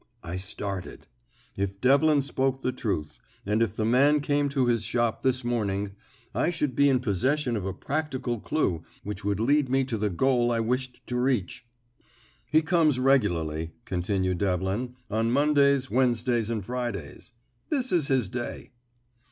I started. If Devlin spoke the truth, and if the man came to his shop this morning, I should be in possession of a practical clue which would lead me to the goal I wished to reach. "He comes regularly," continued Devlin, "on Mondays, Wednesdays, and Fridays. This is his day."